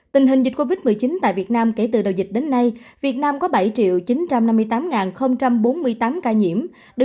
tình hình dịch covid một mươi chín tại việt nam kể từ đầu dịch đến nay việt nam có bảy chín trăm năm mươi tám bốn mươi tám ca nhiễm